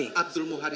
pak abdul muhari